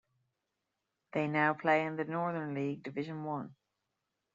They now play in the Northern League Division One.